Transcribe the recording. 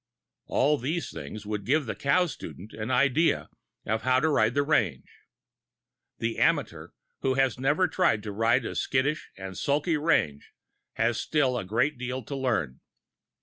All these things would give the cow student an idea of how to ride the range. The amateur who has never tried to ride a skittish and sulky range has still a great deal to learn.